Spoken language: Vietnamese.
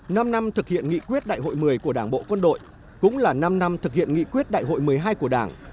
năm năm thực hiện nghị quyết đại hội một mươi của đảng bộ quân đội cũng là năm năm thực hiện nghị quyết đại hội một mươi hai của đảng